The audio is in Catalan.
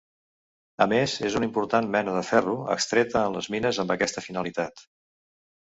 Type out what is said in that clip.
A més és una important mena de ferro, extreta en les mines amb aquesta finalitat.